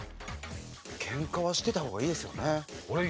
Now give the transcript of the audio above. ケンカはしてた方がいいですよね。